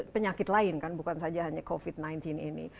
penyakit lain kan bukan saja hanya covid sembilan belas ini